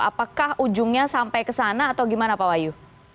apakah ujungnya sampai ke sana atau gimana pak wahyu